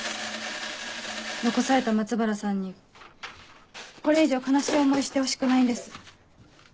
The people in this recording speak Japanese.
残された松原さんにこれ以上悲しい思いしてほしくないんです。